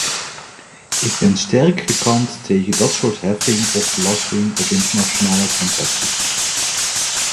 Ik ben sterk gekant tegen dat soort heffing of belasting op internationale transacties.